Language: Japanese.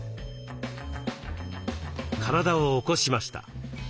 体を起こしました。